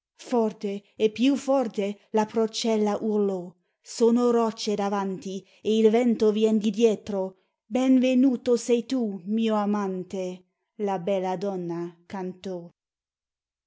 Forte e più forte La procella urlò: "Sono roccie davanti, E il vento vien di dietro, Ben venuto sei tu, mio amante!" La bella donna cantò.